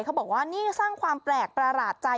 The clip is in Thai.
เขาบอกว่านี่สร้างความแปลกประหลาดใจ